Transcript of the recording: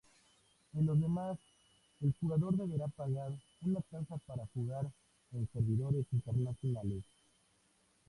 En los demás el jugador deberá pagar una tasa para jugar en servidores internacionales.